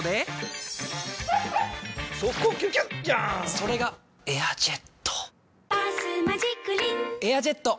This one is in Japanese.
それが「エアジェット」「バスマジックリン」「エアジェット」！